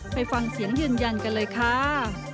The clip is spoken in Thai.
ไปฟังเสียงยืนยันกันเลยค่ะ